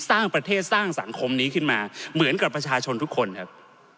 สร้างประเทศสร้างสังคมนี้ขึ้นมาเหมือนกับประชาชนทุกคนครับ